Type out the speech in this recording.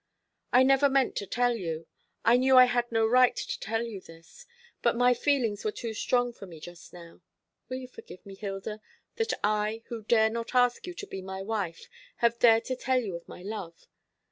I never meant to tell you I knew I had no right to tell you this; but my feelings were too strong for me just now. Will you forgive me, Hilda, that I, who dare not ask you to be my wife, have dared to tell you of my love?